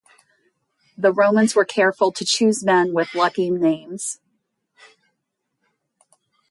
The Romans were careful to choose men with lucky names.